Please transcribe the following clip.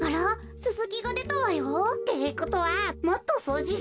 ススキがでたわよ。ってことはもっとそうじしたら。